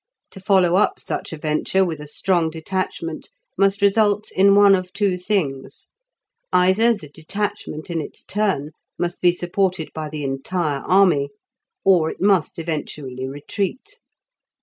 To follow up such a venture with a strong detachment must result in one of two things, either the detachment in its turn must be supported by the entire army, or it must eventually retreat.